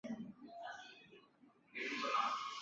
高茎毛兰为兰科毛兰属下的一个种。